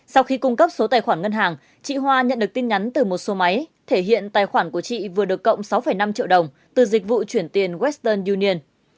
sau khi cung cấp số tài khoản ngân hàng chị hoa nhận được tin nhắn từ một số máy thể hiện tài khoản của chị vừa được cộng sáu năm triệu đồng từ dịch vụ chuyển tiền western union